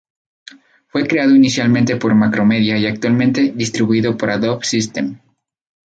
Fue creado inicialmente por Macromedia y actualmente distribuido por Adobe Systems.